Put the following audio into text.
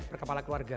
per kepala keluarga